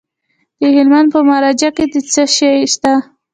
د هلمند په مارجه کې څه شی شته؟